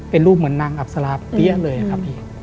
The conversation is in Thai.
เป็นรูปเหมือนนางอับสลาเปี้ยเลยครับพี่